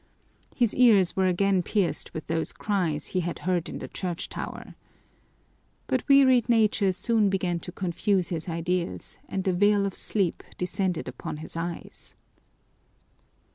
His ears were again pierced with those cries he had heard in the church tower. But wearied nature soon began to confuse his ideas and the veil of sleep descended upon his eyes.